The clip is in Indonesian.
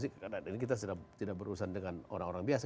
karena ini kita tidak berurusan dengan orang orang biasa